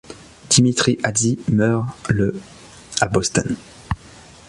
Dimitri Hadzi meurt le à Boston.